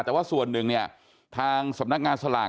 แต่ว่าส่วนหนึ่งเนี่ยทางสำนักงานสลาก